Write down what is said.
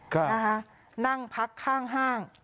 นะคะนั่งพักข้างห้าง